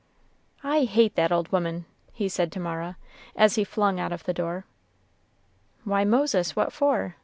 "I hate that old woman," he said to Mara, as he flung out of the door. "Why, Moses, what for?"